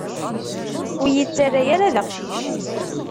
Ur yi-ttarra ara d aqcic.